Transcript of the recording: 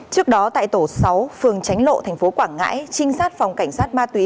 trước đó tại tổ sáu phường tránh lộ tp quảng ngãi trinh sát phòng cảnh sát ma túy